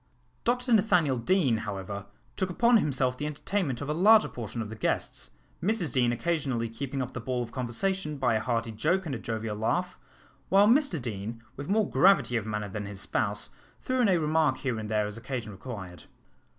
Dr Nathaniel Deane, however, took upon himself the entertainment of a larger portion of the guests, Mrs Deane occasionally keeping up the ball of conversation by a hearty joke and a jovial laugh, while Mr Deane, with more gravity of manner than his spouse, threw in a remark here and there as occasion required.